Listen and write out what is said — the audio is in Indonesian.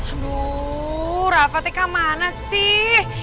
aduh rafa teka mana sih